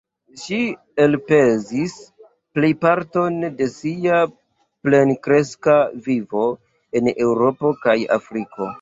Ŝi elspezis plejparton de sia plenkreska vivo en Eŭropo kaj Afriko.